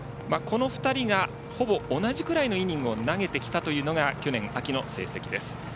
この２人がほぼ同じぐらいのイニングを投げてきたというのが去年秋の成績です。